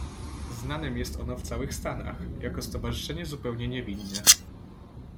"Znanem jest ono w całych Stanach, jako stowarzyszenie zupełnie niewinne."